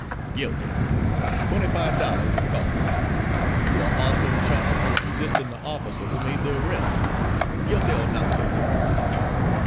"Guilty. Twenty five dollars an' costs. You are also charged with resisting the officer who made the arrest. Guilty or not guilty?